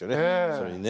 それにね。